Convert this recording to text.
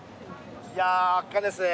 いや圧巻ですね。